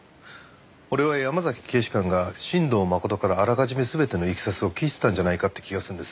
俺は山崎警視監が新堂誠からあらかじめ全ての経緯を聞いてたんじゃないかって気がするんです。